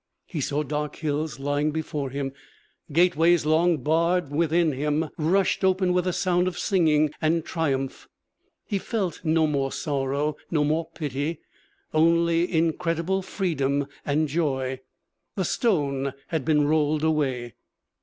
He saw dark hills lying before him. Gateways long barred within him rushed open with a sound of singing and triumph. He felt no more sorrow, no more pity, only incredible freedom and joy. The stone had been rolled away.